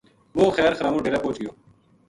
وہ خیر خرامو ڈیرے پوہچ گیو